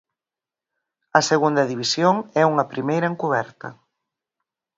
A Segunda División é unha primeira encuberta.